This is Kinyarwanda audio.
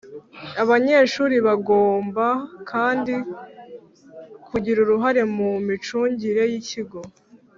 Abanyeshuri bagomba kandi kugira uruhare mu micungire y'ikigo,